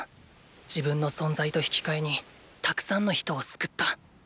自分の存在と引き換えにたくさんの人を救った。